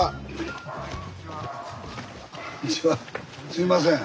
すいません。